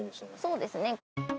そうですね